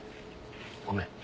ごめん。